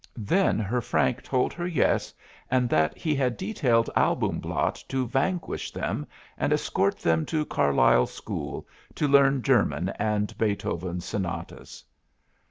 Then her Frank told her yes, and that he had detailed Albumblatt to vanquish them and escort them to Carlisle School to learn German and Beethoven's sonatas.